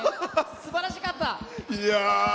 すばらしかった！